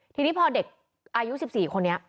ทีนี้พอเด็กอายุ๑๔คนนี้